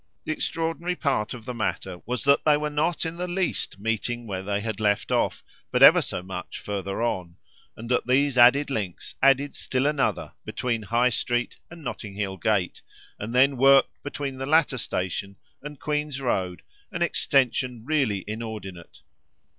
The extraordinary part of the matter was that they were not in the least meeting where they had left off, but ever so much further on, and that these added links added still another between High Street and Notting Hill Gate, and then worked between the latter station and Queen's Road an extension really inordinate.